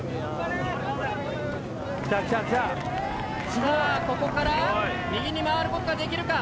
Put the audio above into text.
さあここから右に回ることができるか。